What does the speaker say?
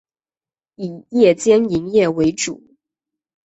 以夜间营业为主。